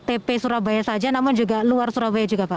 tp surabaya saja namun juga luar surabaya juga pak